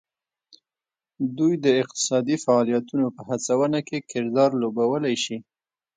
دوی د اقتصادي فعالیتونو په هڅونه کې کردار لوبولی شي